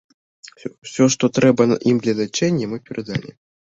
Усё, што трэба ім для лячэння, мы перадалі.